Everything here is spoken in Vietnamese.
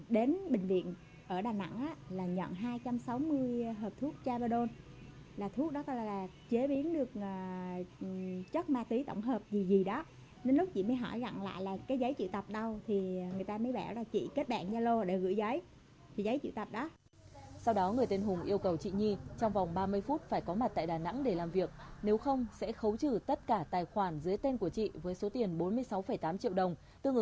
đến lúc mình với nó nói chuyện bình thường